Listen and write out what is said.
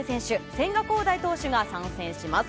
千賀滉大投手が参戦します。